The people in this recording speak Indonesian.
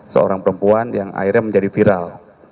seorang perempuan yang akhirnya menjadi viral